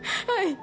はい。